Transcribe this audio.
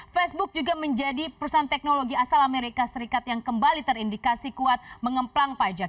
facebook juga menjadi perusahaan teknologi asal amerika serikat yang kembali terindikasi kuat mengemplang pajak